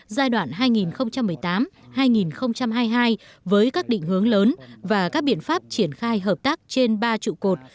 giai đoạn hai nghìn một mươi tám hai nghìn hai mươi hai với các định hướng lớn và các biện pháp triển khai hợp tác trên ba trụ cột